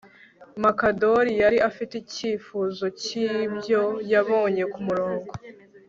Mukandoli yari afite icyifuzo cyibyo yabonye kumurongo